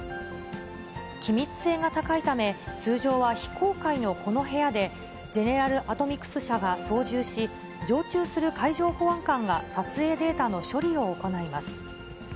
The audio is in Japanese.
機密性が高いため、通常は非公開のこの部屋で、ジェネラル・アトミクス社が操縦し、常駐する海上保安官が撮影データの処理を行います。